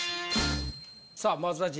さあ松田迅。